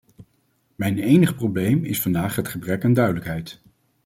Mijn enige probleem is vandaag het gebrek aan duidelijkheid.